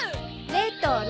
レトロ。